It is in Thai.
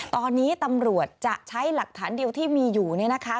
ตอนนี้ตำรวจจะใช้หลักฐานเดียวที่มีอยู่เนี่ยนะคะ